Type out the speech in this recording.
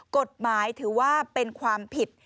กฎหมายถือว่าเป็นความผิด